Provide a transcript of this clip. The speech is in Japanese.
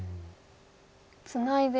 ツナいで。